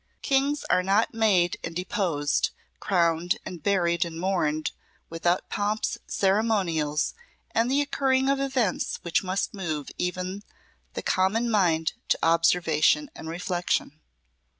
Kings are not made and deposed, crowned and buried and mourned, without pomps, ceremonials, and the occurring of events which must move even the common mind to observation and reflection.